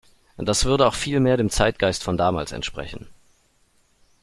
Das würde auch viel mehr dem Zeitgeist von damals entsprechen.